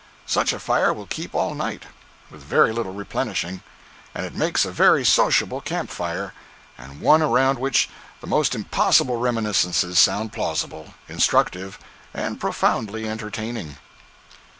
Such a fire will keep all night, with very little replenishing; and it makes a very sociable camp fire, and one around which the most impossible reminiscences sound plausible, instructive, and profoundly entertaining.